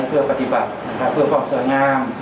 เพื่อปฏิบัติเพื่อความสวยงาม